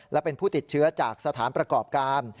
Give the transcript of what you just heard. และเป็นผู้ติดเชื้อจากสถานประกอบการ